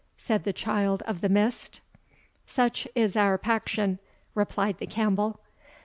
said the Child of the Mist. "Such is our paction," replied the Campbell.